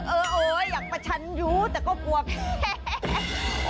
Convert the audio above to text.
เอออยากประชันอยู่แต่ก็กลัวแพ้